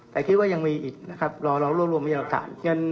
แต่คิดว่ายังมีอีกนะครับเรารวบรวมพยากฐาน